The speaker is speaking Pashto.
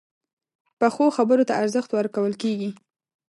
پخو خبرو ته ارزښت ورکول کېږي